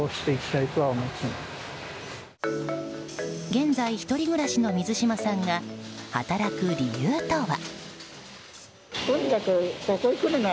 現在１人暮らしの水島さんが働く理由とは？